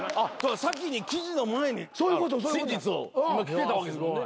先に記事の前に真実を今聞けたわけですもんね。